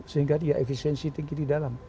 sehingga dia efisiensi tinggi di dalam